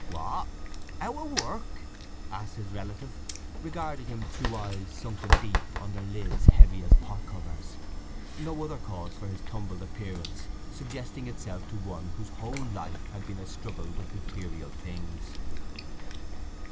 "What—out o' work?" asked his relative, regarding him through eyes sunken deep, under lids heavy as pot covers, no other cause for his tumbled appearance suggesting itself to one whose whole life had been a struggle with material things.